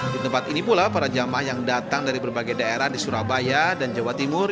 di tempat ini pula para jamaah yang datang dari berbagai daerah di surabaya dan jawa timur